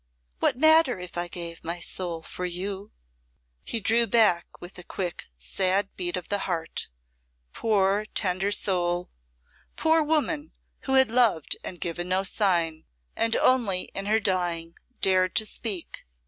What matter if I gave my soul for you?" He drew back with a quick sad beat of the heart. Poor, tender soul poor woman who had loved and given no sign and only in her dying dared to speak.